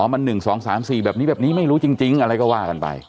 มัน๑๒๓๔แบบนี้แบบนี้ไม่รู้จริงอะไรก็ว่ากันไป